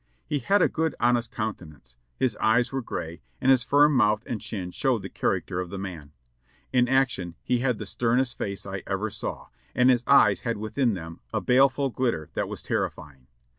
He had a good, honest coun tenance; his eyes were gray, and his firm mouth and chin showed the character of the man. In action he had the sternest face I ever saw, and his eyes had within them a baleful glitter that was terrify ing.